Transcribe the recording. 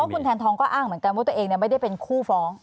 คุณแทนทองก็อ้างเหมือนกันว่าตัวเองไม่ได้เป็นคู่ฟ้อง